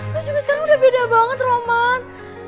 terus juga sekarang udah beda banget roman